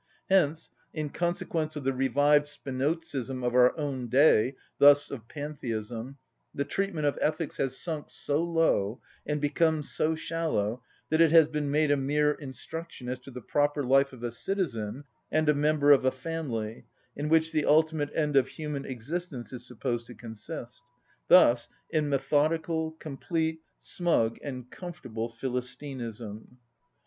Hence, in consequence of the revived Spinozism of our own day, thus of pantheism, the treatment of ethics has sunk so low and become so shallow that it has been made a mere instruction as to the proper life of a citizen and a member of a family, in which the ultimate end of human existence is supposed to consist: thus in methodical, complete, smug, and comfortable philistinism.